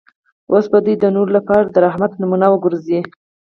اوس به دی د نورو لپاره د رحمت نمونه وګرځي.